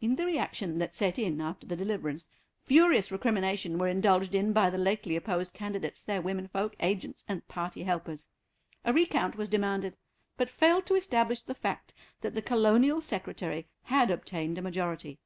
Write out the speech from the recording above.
In the reaction that set in after the deliverance furious recrimination were indulged in by the lately opposed candidates, their women folk, agents, and party helpers. A recount was demanded, but failed to establish the fact that the Colonial Secretary had obtained a majority.